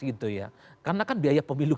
gitu ya karena kan biaya pemilu